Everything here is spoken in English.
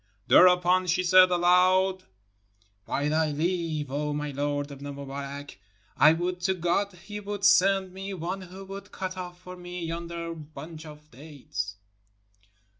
Thereupon she said aloud, 'By thy leave, 0 my Lord Ibn Mubarak, I would to God He would send me one who would cut ofE for me yonder bunch of dates.'